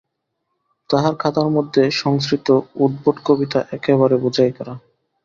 তাহার খাতার মধ্যে সংস্কৃত উদ্ভটকবিতা একেবারে বোঝাই করা।